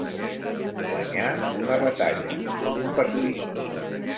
Guanyar una batalla, un partit.